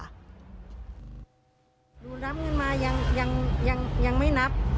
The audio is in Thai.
หนูรับเงินมายังไม่นับ